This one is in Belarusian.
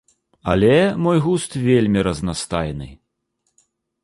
Але мой густ вельмі разнастайны.